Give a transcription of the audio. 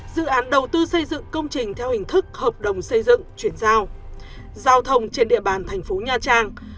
giao thông trên địa bàn thành phố nha trang